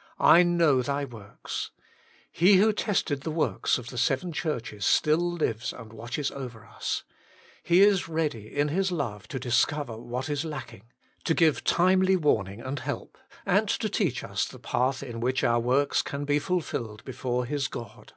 ' I know thy works.' He who tested the works of the seven churches still lives and watches over us. He is ready in His love to discover what is lacking, to give timely warning and help, and to teach us the path in which our works can be fulfilled before His God.